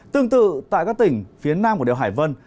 tương tự tại các tỉnh phía nam của đèo hải vân